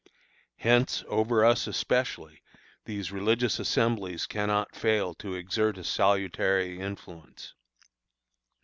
Hence over us especially these religious assemblies cannot fail to exert a salutary influence.